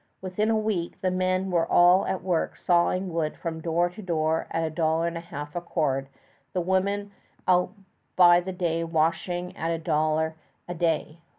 Within a week, the men were all at work sawing wood from door to door at a dollar and a half a cord the women out by the day washing at a dollar a day.